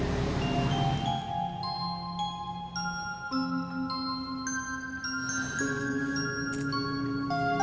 terima kasih pak